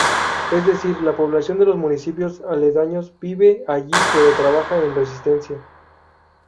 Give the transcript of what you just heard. Es decir, la población de los municipios aledaños vive allí pero trabaja en Resistencia.